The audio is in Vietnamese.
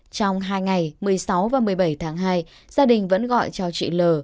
trong hai ngày một mươi sáu và một mươi bảy tháng hai gia đình vẫn gọi cho chị l